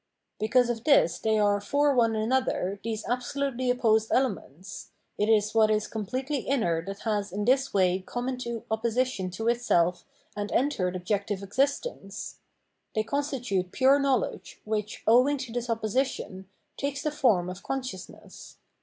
Because of this 682 Phenomenology of Mind they are for one another these absolutely opposed elements ; it is what is completely inner that has in this way come into opposition to itself and entered objective existence ; they constitute pure knowledge, which, owing to this opposition, takes the form of consciousness.